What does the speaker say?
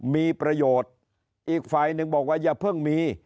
มีประโยชน์อีกฝ่ายหนึ่งบอกว่าอย่าเพิ่งมี